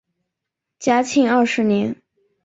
嘉庆二十年。